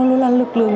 luôn luôn là lực lượng